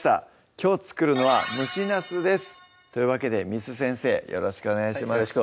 きょう作るのは「蒸しなす」ですというわけで簾先生よろしくお願いします